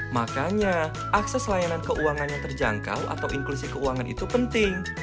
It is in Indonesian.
makanya akses layanan keuangan yang terjangkau atau inklusi keuangan itu penting